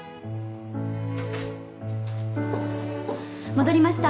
戻りました。